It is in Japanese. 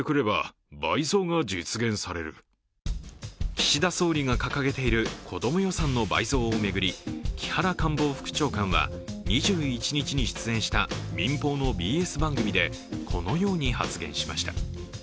岸田総理が掲げている子ども予算の倍増を巡り、木原官房副長官は、２１日に出演した民放のＢＳ番組でこのように発言しました。